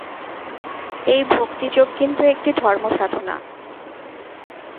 এই ভক্তিযোগ কিন্তু একটি ধর্ম-সাধনা।